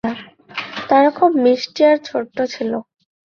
তারা খুব মিষ্টি আর ছোট্ট ছিল।